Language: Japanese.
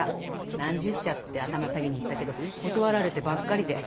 何十社って頭下げに行ったけど断られてばっかりで。